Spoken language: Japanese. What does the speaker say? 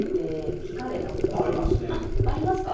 ありますか。